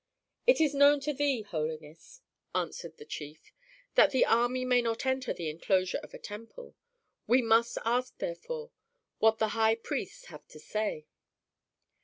"It is known to thee, holiness," answered the chief, "that the army may not enter the inclosure of a temple. We must ask, therefore, what the high priests have to say."